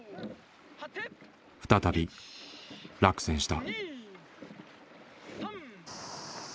再び落選した。